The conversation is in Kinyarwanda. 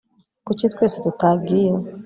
kuki twese tutagiye